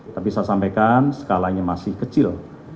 tapi saya sampaikan skalanya masih kecil